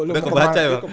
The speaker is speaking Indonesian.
lo mau kemana